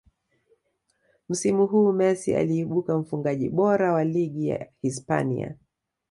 msimu huu Messi aliibuka mfungaji bora wa ligi ya hispania